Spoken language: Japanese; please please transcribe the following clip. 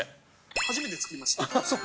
初めて作りました。